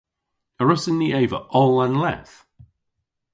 A wrussyn ni eva oll an leth?